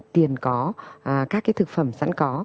tiền có các cái thực phẩm sẵn có